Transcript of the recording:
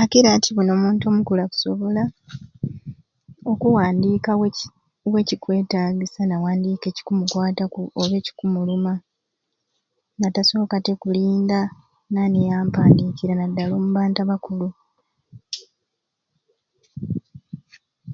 Akiri ati buni omuntu omukulu akusobola okuwandika weki wekiwetagisa nawandika ekikumukwataku oba ekikumuluma natasokatte kulinda nani eyampandikiira nadala omubantu abakulu.